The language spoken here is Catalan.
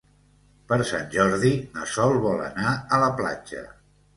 Per Sant Jordi na Sol vol anar a la platja.